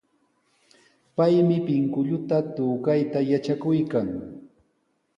Paymi pinkullata tukayta yatrakuykan.